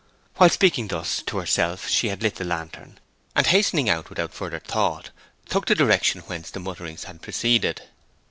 While speaking thus to herself she had lit the lantern, and hastening out without further thought, took the direction whence the mutterings had proceeded.